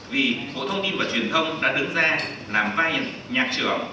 vì bộ thông tin và truyền thông đã đứng ra làm vai nhạc trưởng